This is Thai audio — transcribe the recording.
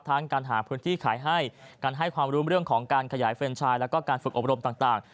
การหาพื้นที่ขายให้การให้ความรู้เรื่องของการขยายเฟรนชายแล้วก็การฝึกอบรมต่าง